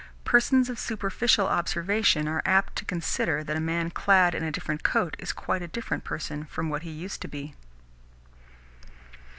Persons of superficial observation are apt to consider that a man clad in a different coat is quite a different person from what he used to be.